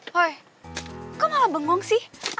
hoi kok malah bengong sih